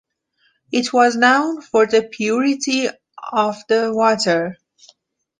It was known for the purity of it water.